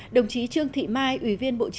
đồng chí trương thị mai ủy viên bộ chính trị